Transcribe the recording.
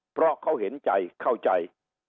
เพราะเขาเห็นใจเข้าใจ